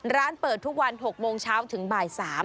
ร้านเปิดทุกวัน๖โมงเช้าถึงบ่าย๓